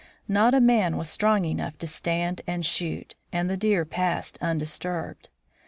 Not a man was strong enough to stand and shoot, and the deer passed undisturbed.